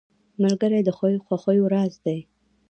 ملګری د خوښیو راز دی.